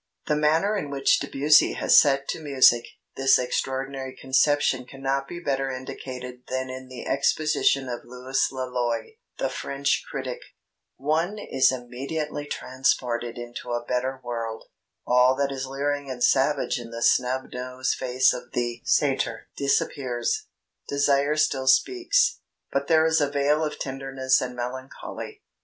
The manner in which Debussy has set to music this extraordinary conception cannot be better indicated than in the exposition by Louis Laloy, the French critic: "One is immediately transported into a better world; all that is leering and savage in the snub nosed face of the satyr disappears; desire still speaks, but there is a veil of tenderness and melancholy.